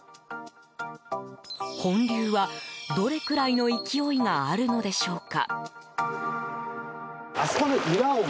本流は、どれくらいの勢いがあるのでしょうか。